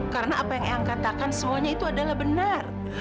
karena apa yang ayang katakan semuanya itu adalah benar